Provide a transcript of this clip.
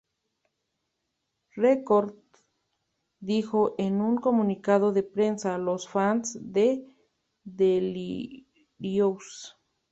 Records", dijo en un comunicado de prensa: "Los fans de Delirious?